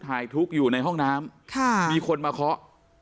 ทุกข์อยู่ในห้องน้ำมีคนมาเคาะ